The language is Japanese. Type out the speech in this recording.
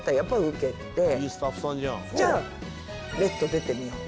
「じゃあ『レッド』出てみようか？」